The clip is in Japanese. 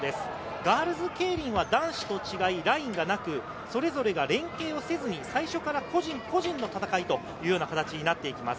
ガールズケイリンは男子と違いラインがなく、それぞれが連係をせずに、最初から個人の戦いというような形になっていきます。